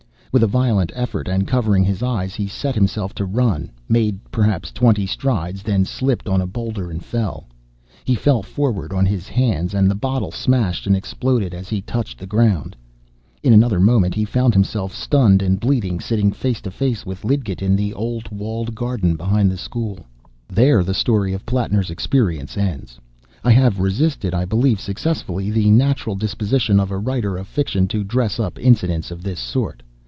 With a violent effort, and covering his eyes, he set himself to run, made, perhaps, twenty strides, then slipped on a boulder, and fell. He fell forward on his hands; and the bottle smashed and exploded as he touched the ground. In another moment he found himself, stunned and bleeding, sitting face to face with Lidgett in the old walled garden behind the school. There the story of Plattner's experiences ends. I have resisted, I believe successfully, the natural disposition of a writer of fiction to dress up incidents of this sort.